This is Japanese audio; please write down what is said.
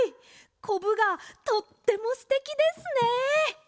こぶがとってもすてきですね！